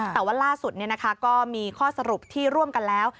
แต่ว่าล่าสุดก็มีข้อสรุปที่ร่วมกันแล้ว